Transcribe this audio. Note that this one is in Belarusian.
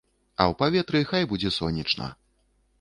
А ў паветры хай будзе сонечна.